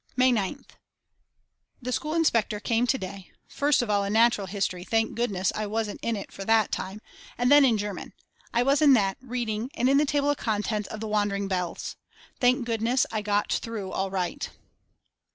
May 9th. The school inspector came to day, first of all in natural history, thank goodness I wasn't in for it that time, and then in German; I was in that, reading and in the table of contents of the Wandering Bells. Thank goodness I got through all right.